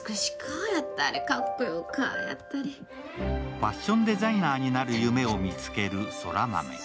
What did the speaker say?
ファッションデザイナーになる夢を見つけた空豆。